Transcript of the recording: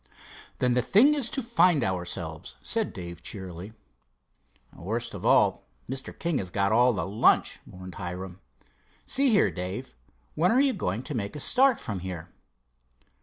"Then the thing is to find ourselves," said Dave, cheerily. "Worst of all, Mr. King has got all the lunch," mourned Hiram. "See here, Dave, when are you going to make a start from here?"